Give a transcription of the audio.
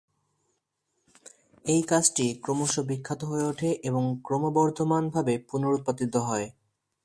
এই কাজটি ক্রমশ বিখ্যাত হয়ে ওঠে এবং ক্রমবর্ধমানভাবে পুনরুৎপাদিত হয়।